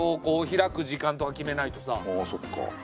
ああそっか。